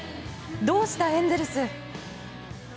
どうした、エンゼルス？